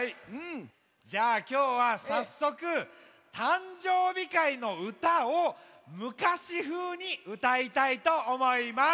じゃあきょうはさっそくたんじょうびかいのうたをむかしふうにうたいたいとおもいます。